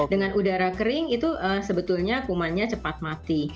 dengan udara kering itu sebetulnya kumannya cepat mati